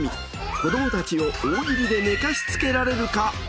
子どもたちを大喜利で寝かしつけられるか？